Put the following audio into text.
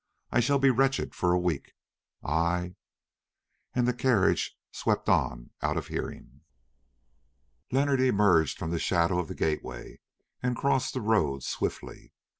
I shall be wretched for a week, I——" and the carriage swept on out of hearing. Leonard emerged from the shadow of the gateway and crossed the road swiftly.